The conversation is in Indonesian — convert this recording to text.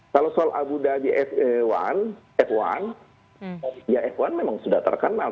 kalau soal abu dhabi fa satu f satu ya f satu memang sudah terkenal